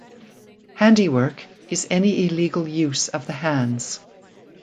"Handiwork" is any illegal use of the hands.